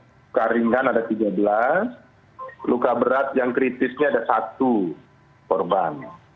luka ringan ada tiga belas luka berat yang kritisnya ada satu korban